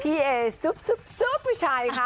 พี่เอซุปซุปซุปประชายค่ะ